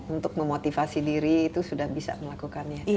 untuk memotivasi diri itu sudah bisa melakukannya